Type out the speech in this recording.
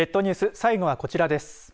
最後はこちらです。